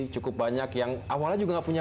cukup banyak yang awalnya juga punya